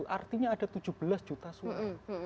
artinya ada tujuh belas juta suara